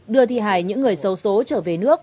đưa thi hài những người sâu số trở về nước